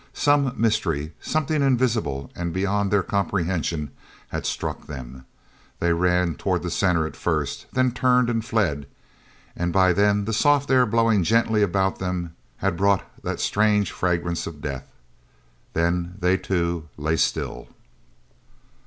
Some mystery, something invisible and beyond their comprehension had struck them. They ran toward the center at first, then turned and fled—and by then the soft air blowing gently about them had brought that strange fragrance of death. Then they, too, lay still.